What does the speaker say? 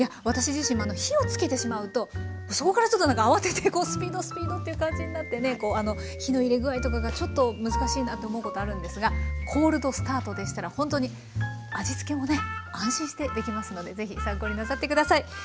私自身も火を付けてしまうとそこからちょっとなんかあわててこうスピードスピードっていう感じになってね火の入れ具合とかがちょっと難しいなと思うことあるんですがコールドスタートでしたらほんとに味付けもね安心してできますので是非参考になさって下さい。